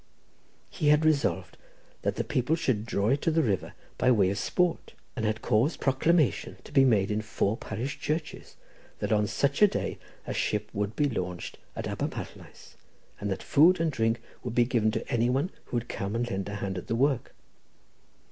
He had resolved that the people should draw it to the river by way of sport, and had caused proclamation to be made in four parish churches, that on such a day a ship would be launched at Abermarlais, and that food and drink would be given to any one who would come and lend a hand at the work.